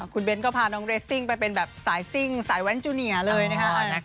คุณเบ้นก็พาน้องเรสซิ่งไปเป็นแบบสายซิ่งสายแว้นจูเนียเลยนะคะ